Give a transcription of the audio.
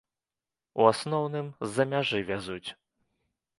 У асноўным з-за мяжы вязуць.